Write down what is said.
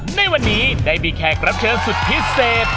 ในวันนี้ได้มีแขกรับเชิญสุดพิเศษ